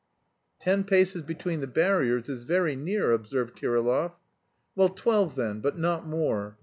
"Ten paces between the barriers is very near," observed Kirillov. "Well, twelve then, but not more.